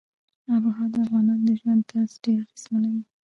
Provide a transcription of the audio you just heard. آب وهوا د افغانانو د ژوند طرز ډېر اغېزمنوي.